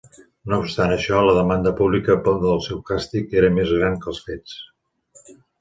No obstant això, la demanda pública del seu càstig era més gran que els fets.